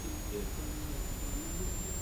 که ټوله ژوند په تنهايۍ کي تېر کړم.